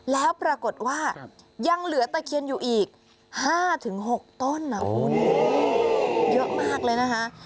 แล้วปรากฏว่ายังเหลือตะเคียนอยู่อีก๕๖ต้นเยอะมากเลยนะคะ